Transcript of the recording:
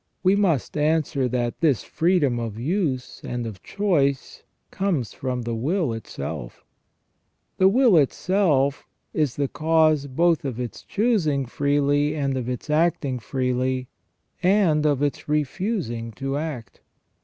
we must answer that this freedom of use and of choice conies from the will itself The will itself is the 204 ON JUSTICE AND MORAL E VIL. cause both of its choosing freely and of its acting freely, and of its refusing to act.